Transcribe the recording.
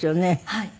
はい。